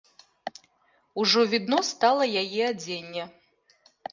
Ужо відно стала яе адзенне.